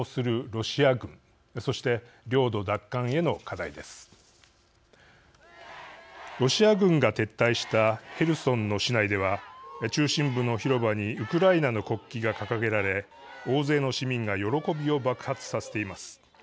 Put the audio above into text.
ロシア軍が撤退したヘルソンの市内では中心部の広場にウクライナの国旗が掲げられ大勢の市民が喜びを爆発させています。